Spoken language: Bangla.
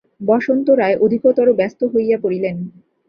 বসন্ত রায় অধিকতর ব্যস্ত হইয়া পড়িলেন।